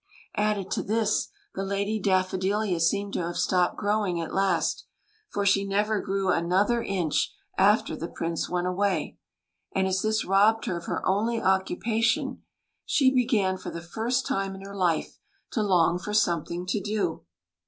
Added to this, the Lady Daffodilia seemed to have stopped growing at last, for she never grew another inch after the Prince went away ; and as this robbed her of her only occupation, she began for the first time in her life to long for 154 THE LADY DAFFODILIA something to do.